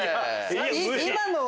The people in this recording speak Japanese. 今のは。